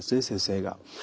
先生が。